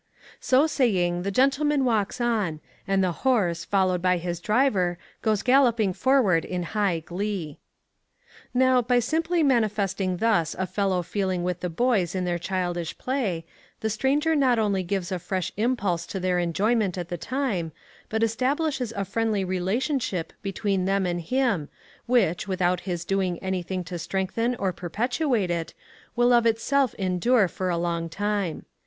So saying, the gentleman walks on, and the horse, followed by his driver, goes galloping forward in high glee. Now, by simply manifesting thus a fellow feeling with the boys in their childish play, the stranger not only gives a fresh impulse to their enjoyment at the time, but establishes a friendly relationship between them and him which, without his doing any thing to strengthen or perpetuate it, will of itself endure for a long time.